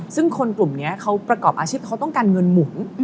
ซึ่งคนกลุ่มนี้เขาประกอบอาชีพเขาต้องการเงินหมุน